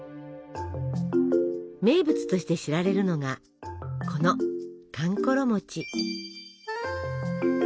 名物として知られるのがこのかんころ餅。